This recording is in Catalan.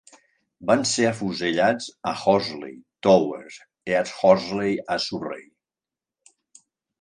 Van ser afusellats a Horsley Towers, East Horsley a Surrey.